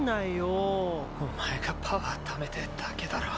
お前がパワーためてぇだけだろ。